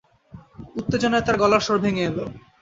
উত্তেজনায় তার গলার স্বর ভেঙে এল।